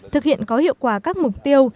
thực hiện có hiệu quả các mục tiêu